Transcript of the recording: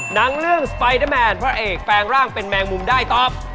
หนังเรื่องสไปเดอร์แมนพระเอกแปลงร่างเป็นแมงมุมได้ตอบ